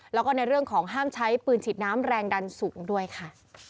แล้วก็ในเรื่องของห้ามใช้ปืนฉีดน้ำแรงดันสูงด้วยค่ะ